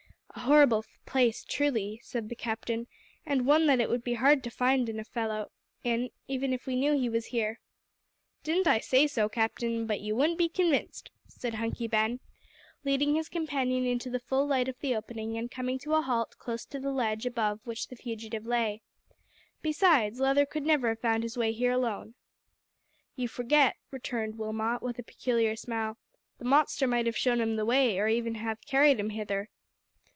"A horrible place, truly," said the Captain, "and one that it would be hard to find a fellow in even if we knew he was here." "Didn't I say so, Captain? but ye wouldn't be convinced," said Hunky Ben, leading his companion into the full light of the opening and coming to a halt close to the ledge above which the fugitive lay. "Besides, Leather could never have found his way here alone." "You forget," returned Wilmot, with a peculiar smile, "the monster might have shown him the way or even have carried him hither."